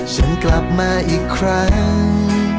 ฉันกลับมาอีกครั้ง